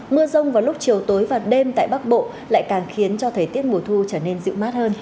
mưa rông vào lúc chiều tối và đêm tại bắc bộ lại càng khiến cho thời tiết mùa thu trở nên dịu mát hơn